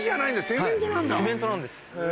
セメントなんです。